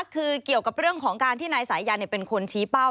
คือเกี่ยวกับเรื่องของการที่นายสายันเป็นคนชี้เป้า